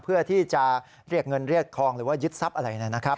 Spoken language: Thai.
เพื่อที่จะเรียกเงินเรียกทองหรือว่ายึดทรัพย์อะไรนะครับ